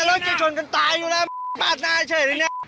ไอิสำอะไรรถเจ้าคนคนตายอยู่แล้วบ้า๊ฆใช่ไหมเนี่ย